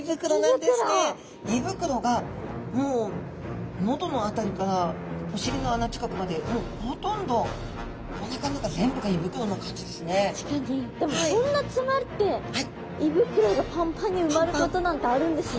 胃袋がもう喉の辺りからお尻の穴近くまでほとんどでもこんな詰まるって胃袋がパンパンに埋まることなんてあるんですね。